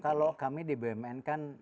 kalau kami di bumn kan